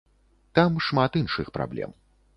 Там шмат іншых праблем.